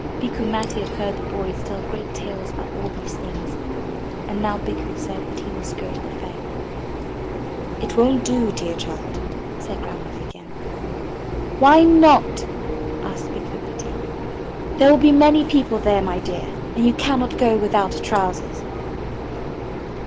Bikku Matti had heard the boys tell great tales about all these things, and now Bikku said that he must go to the Fair. *lt won*t do, dear child,'* said Grandmother again. 'Why not?" asked Bikku Matti. 'There will be many people there, my dear, and you cannot go without trousers.'